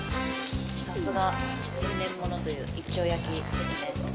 さすが天然物という一丁焼きですね。